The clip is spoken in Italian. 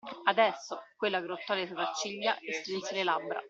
Adesso, quello aggrottò le sopracciglia e strinse le labbra.